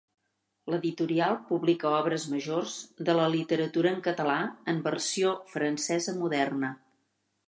L'editorial publica obres majors de la literatura en català en versió francesa moderna.